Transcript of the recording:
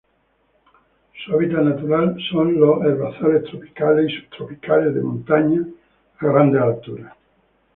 Su hábitat natural sin los herbazales tropicales y subtropicales de montaña a grandes alturas.